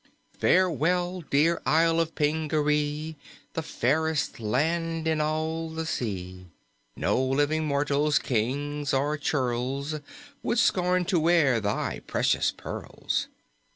"Farewell, dear Isle of Pingaree The fairest land in all the sea! No living mortals, kings or churls, Would scorn to wear thy precious pearls.